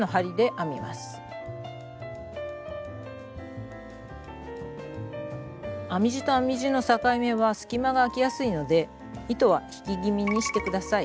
編み地と編み地の境目は隙間があきやすいので糸は引き気味にして下さい。